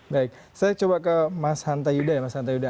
baik saya coba ke mas hantayuda ya mas hantayuda